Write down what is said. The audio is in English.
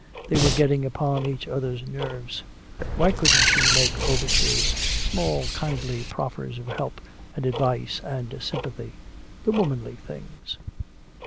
They were getting upon each other's nerves. Why couldn't she make overtures, small kindly proffers of help and advice and sympathy, the womanly things?